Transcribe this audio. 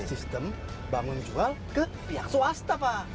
sistem bangun jual ke pihak swasta pak